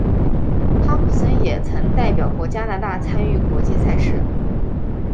汤普森也曾代表过加拿大参与国际赛事。